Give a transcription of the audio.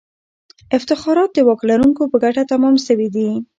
افتخارات د واک لرونکو په ګټه تمام سوي دي.